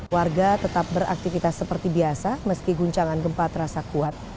warga tetap beraktivitas seperti biasa meski guncangan gempa terasa kuat